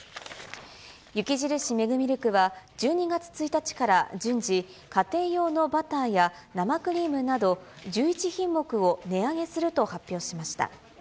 雪印メグミルクは１２月１日から順次、家庭用のバターや生クリームなど、１１品目を値上げすると発表しました。